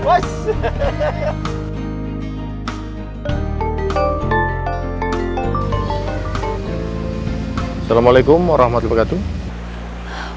assalamualaikum warahmatullahi wabarakatuh